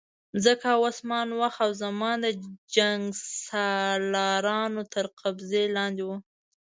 مځکه او اسمان، وخت او زمان د جنګسالارانو تر قبضې لاندې وو.